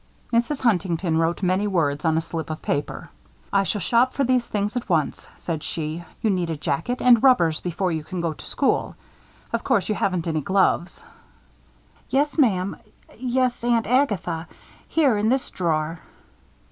Mrs. Huntington wrote many words on a slip of paper. "I shall shop for these things at once," said she. "You need a jacket and rubbers before you can go to school. Of course you haven't any gloves." "Yes, ma'am yes, Aunt Agatha. Here, in this drawer."